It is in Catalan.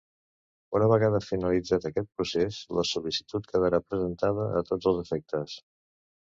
Una vegada finalitzat aquest procés la sol·licitud quedarà presentada a tots els efectes.